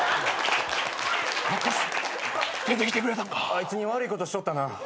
あいつに悪いことしとったな。